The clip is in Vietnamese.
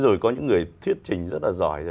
rồi có những người thuyết trình rất là giỏi